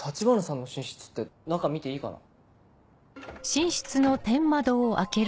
橘さんの寝室って中見ていいかな？